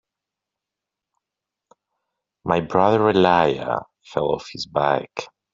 My brother Elijah fell off his bike.